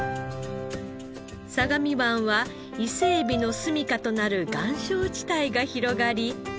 相模湾は伊勢エビのすみかとなる岩礁地帯が広がり